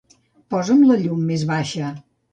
Posa'm la llum més baixa.